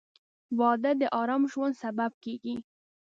• واده د ارام ژوند سبب کېږي.